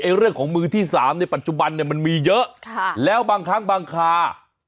เรื่องของมือที่สามในปัจจุบันเนี่ยมันมีเยอะแล้วบางครั้งบางคา